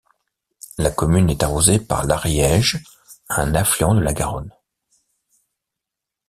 La commune est arrosée par l'Ariège un affluent de la Garonne.